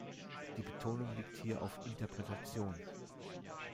Die Betonung liegt hier auf "Interpretation".